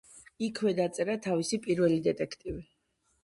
იქვე დაწერა თავისი პირველი დეტექტივი.